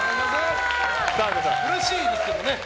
苦しいですけどね！